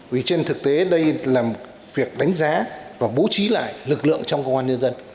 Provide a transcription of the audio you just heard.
vì trên thực tế đây là một việc đánh giá và bố trí lại lực lượng trong công an nhân dân